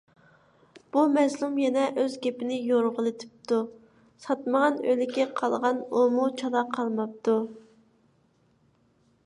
بۇ مەزلۇم يەنە ئۆز گېپىنى يورغىلىتىپتۇ. ساتمىغان ئۆلىكى قالغان، ئۇمۇ چالا قالماپتۇ.